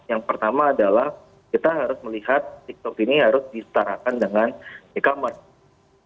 yang pertama adalah kita harus melihat tiktok ini harus disetarakan dengan e commerce